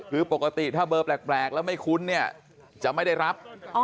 คือปกติถ้าเบอร์แปลกแล้วไม่คุ้นเนี่ยจะไม่ได้รับ